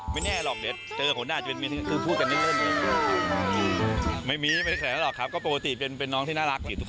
ไม่แน่หรอกเนธเธอควรได้เป็นเรื่องอะไร